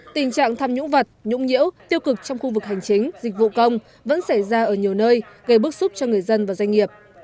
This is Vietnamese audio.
tình trạng tham nhũng vật nhũng nhiễu tiêu cực trong khu vực hành chính dịch vụ công vẫn xảy ra ở nhiều nơi gây bức xúc cho người dân và doanh nghiệp